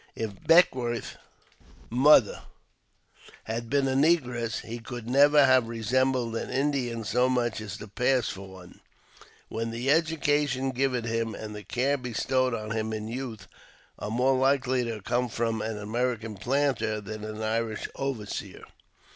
If Beckwourth's mother had been a negress, he could never have resembled an Indian so much as to pass for one ; while the education given him and the care bestowed on him in youth, are more likely to have come from an American planter than an Irish overseer.